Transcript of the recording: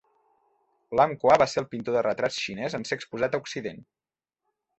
Lam Qua va ser el pintor de retrats xinès en ser exposat a Occident.